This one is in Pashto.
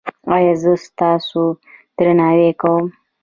ایا زه ستاسو درناوی کوم؟